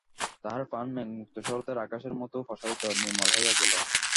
তাহার প্রাণ মেঘমুক্ত শরতের আকাশের মতো প্রসারিত, নির্মল হইয়া গেল।